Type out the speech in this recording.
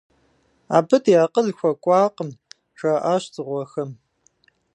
Абы ди акъыл хуэкӏуакъым, - жаӏащ дзыгъуэхэм.